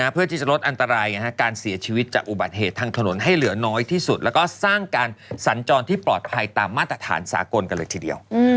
เพื่อที่จะลดอันตรายการเสียชีวิตจากอุบัติเหตุทางถนนให้เหลือน้อยที่สุดแล้วก็สร้างการสัญจรที่ปลอดภัยตามมาตรฐานสากลกันเลยทีเดียว